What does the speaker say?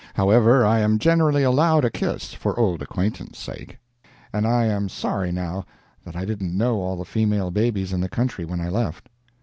However, I am generally allowed a kiss for old acquaintance sake, and I am sorry now that I didn't know all the female babies in the country when I left.